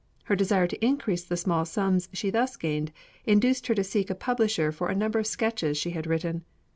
Her desire to increase the small sums she thus gained induced her to seek a publisher for a number of sketches she had written.